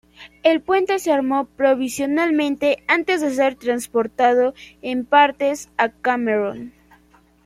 El puente se armó provisionalmente antes de ser transportado en partes a Camerún.